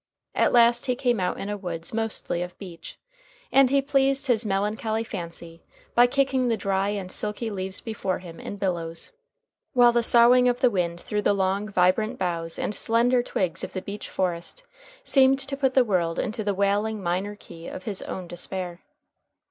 At last he came out in a woods mostly of beech, and he pleased his melancholy fancy by kicking the dry and silky leaves before him in billows, while the soughing of the wind through the long, vibrant boughs and slender twigs of the beech forest seemed to put the world into the wailing minor key of his own despair.